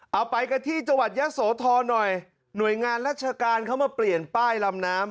เอาไปกันที่จังหวัดยะโสธรหน่อยหน่วยงานราชการเขามาเปลี่ยนป้ายลำน้ำ